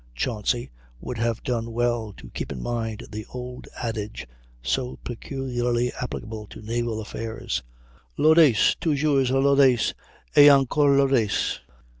Chauncy would have done well to keep in mind the old adage, so peculiarly applicable to naval affairs: "L'audace! toujours l'audace! et encore l'audace!"